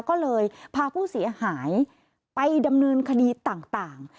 ก็เลยพาผู้เสียหายไปดำเนินคดีต่าง